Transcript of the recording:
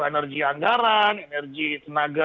energi anggaran energi tenaga